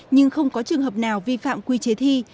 nhưng không có trường hợp nào vi phạm quy chế thi